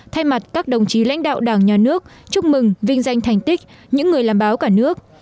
thay mặt các đồng chí lãnh đạo đảng nhà nước chúc mừng vinh danh thành tích những người làm báo cả nước